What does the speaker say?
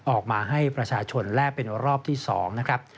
ออกมาให้ประชาชนแลกเป็นรอบที่๒นะครับ